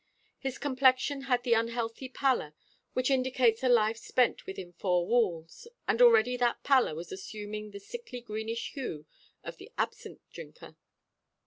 His complexion had the unhealthy pallor which indicates a life spent within four walls; and already that pallor was assuming the sickly greenish hue of the absinthe drinker.